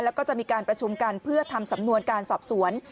แล้วก็จะมีการประชุมกันเพื่อทำสำนวนการสอบสวน